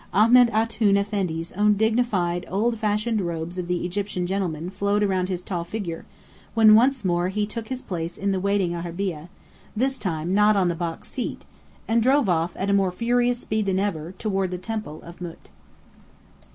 Ahmed Antoun Effendi's own dignified, old fashioned robes of the Egyptian gentleman flowed round his tall figure, when once more he took his place in the waiting arabeah this time not on the box seat and drove off at more furious speed than ever, toward the Temple of Mût.